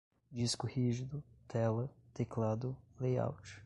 disco rígido, tela, teclado, layout